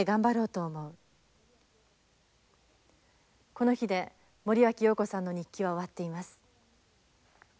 この日で森脇瑤子さんの日記は終わっています。